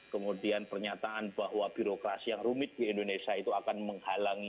kemudian pernyataan bahwa birokrasi yang rumit di indonesia itu akan menghalangi